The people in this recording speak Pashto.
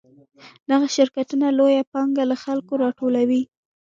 دغه شرکتونه لویه پانګه له خلکو راټولوي